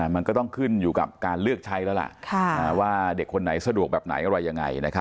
มันก็ต้องขึ้นอยู่กับการเลือกใช้แล้วล่ะว่าเด็กคนไหนสะดวกแบบไหนอะไรยังไง